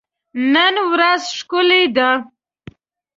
نن ورځ ښکلي ده.